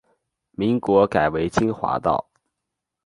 民国改为金华道。